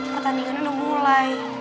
pertandingan udah mulai